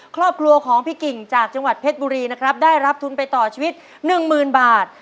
ครอบครัวของพี่กิ่งจากจังหวัดเพชรบุรีนะครับได้รับทุนไปต่อชีวิต๑๐๐๐บาท